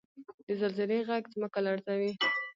• د زلزلې ږغ ځمکه لړزوي.